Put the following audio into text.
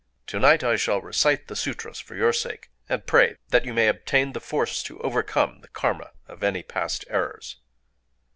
To night I shall recite the sûtras for your sake, and pray that you may obtain the force to overcome the karma of any past errors."